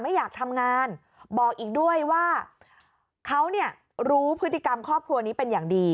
ไม่อยากทำงานบอกอีกด้วยว่าเขาเนี่ยรู้พฤติกรรมครอบครัวนี้เป็นอย่างดี